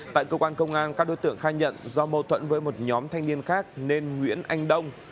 tại cơ quan công an các đối tượng khai nhận do mâu thuẫn với một nhóm thanh niên khác nên nguyễn anh đông